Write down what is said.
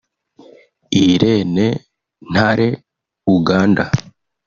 Irene Ntale – Uganda